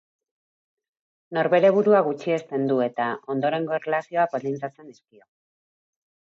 Norbere burua gutxiesten du eta, ondorengo erlazioak baldintzatzen dizkio.